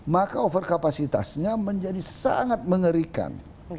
maka overkapasitasnya menjadi sangat mengerikan